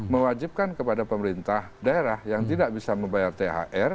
mewajibkan kepada pemerintah daerah yang tidak bisa membayar thr